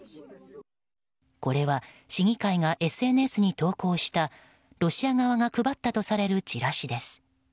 これは、市議会がＳＮＳに投稿したロシア側が配ったとされるチラシです。